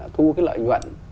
thu cái lợi nhuận